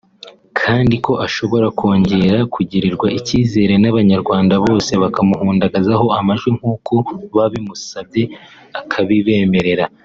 kandi ko ashobora kongera kugirirwa ikizere n’abanyarwanda bose bakamuhundagazaho amajwi nkuko babimusabye akabibemerera